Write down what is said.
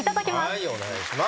はいお願いします。